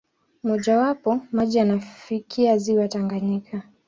Mmojawapo, maji yanafikia ziwa Tanganyika.